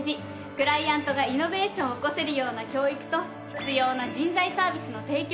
クライアントがイノベーションを起こせるような教育と必要な人材サービスの提供。